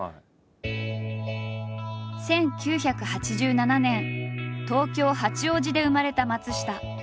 １９８７年東京八王子で生まれた松下。